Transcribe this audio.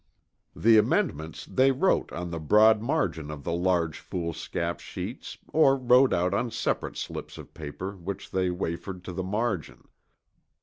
The amendments they wrote on the broad margin of the large foolscap sheets or wrote out on separate slips of paper which they wafered to the margin.